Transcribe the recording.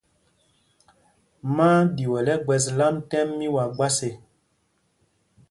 Má á ɗyuɛl ɛgbɛ̄s lām tɛ́m mí wa gbas ê.